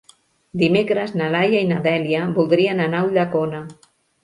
Dimecres na Laia i na Dèlia voldrien anar a Ulldecona.